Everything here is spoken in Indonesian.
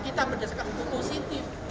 kita berdasarkan hukum positif